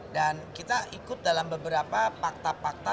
dan kita ikut dalam beberapa fakta fakta